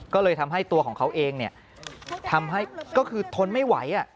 ก็เลยทำให้ตัวของเขาเองทำให้ก็คือทนไม่ไหว